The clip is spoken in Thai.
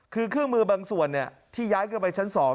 คือเครื่องมือบางส่วนที่ย้ายขึ้นไปชั้น๒